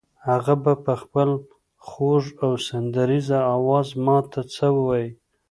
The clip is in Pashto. هغه به په خپل خوږ او سندریزه آواز ماته څه ووایي.